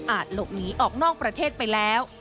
หลบหนีออกนอกประเทศไปแล้ว